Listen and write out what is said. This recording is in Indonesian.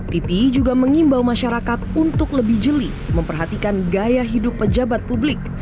titi juga mengimbau masyarakat untuk lebih jeli memperhatikan gaya hidup pejabat publik